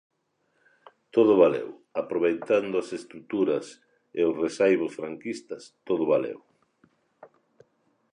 Todo valeu, aproveitando as estruturas e os resaibos franquistas, todo valeu.